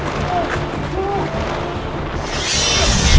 dia berada di luar sana